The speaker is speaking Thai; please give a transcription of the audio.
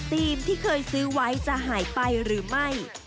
ที่เคยซื้อไว้จะหายไปหรือไม่